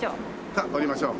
さっ降りましょう。